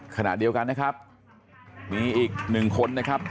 ขณะเดียวกันนะครับมีอีกหนึ่งคนนะครับ